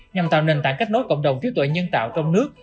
nhằm tạo nền tảng kết nối cộng đồng trí tuệ nhân tạo trong nước